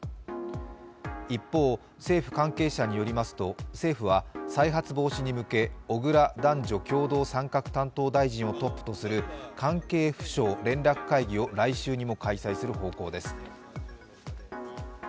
一方、政府関係者によりますと、政府は再発防止に向け小倉男女共同参画担当大臣をトップとする関係府省連絡会議を来週にも開催する方向です。